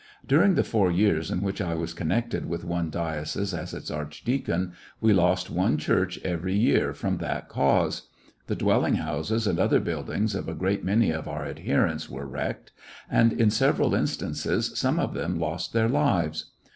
DuriDg the four years in which I was connected with one diocese as its archdeacon we lost one church every year from that cause. The dwelling houses and other huUdings of a great many of onr adherents were wrecked j and in several instances some of them lost their lives.